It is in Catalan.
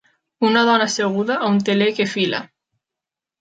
Una dona asseguda a un teler que fila.